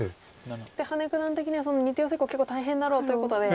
羽根九段的にはその２手ヨセコウは結構大変だろうということで。